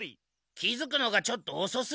気づくのがちょっとおそすぎたな。